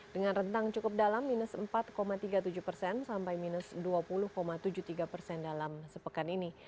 dengan rentang cukup dalam minus empat tiga puluh tujuh persen sampai minus dua puluh tujuh puluh tiga persen dalam sepekan ini